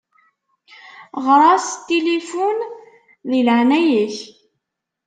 Ɣeṛ-as s tilifun di leɛnaya-k.